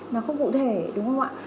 nó không cụ thể đúng không ạ